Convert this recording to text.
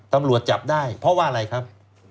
ตำรวจจับได้เพราะว่าอะไรครับ